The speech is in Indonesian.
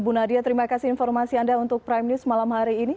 bu nadia terima kasih informasi anda untuk prime news malam hari ini